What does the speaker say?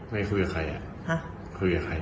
นายคุยกับใครอ่ะ